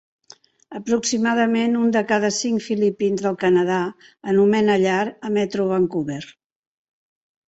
Aproximadament un de cada cinc filipins del Canadà anomena llar a Metro Vancouver.